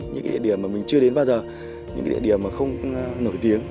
những địa điểm mà mình chưa đến bao giờ những địa điểm mà không nổi tiếng